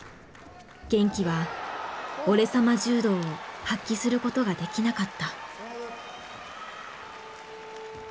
玄暉は「俺様柔道」を発揮することができなかった。